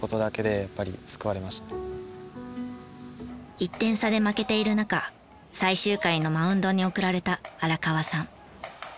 １点差で負けている中最終回のマウンドに送られた荒川さん。